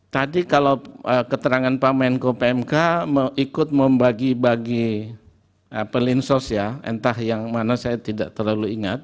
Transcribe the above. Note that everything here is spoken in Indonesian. tadi kalau keterangan pak menko pmk ikut membagi bagi perlinsos ya entah yang mana saya tidak terlalu ingat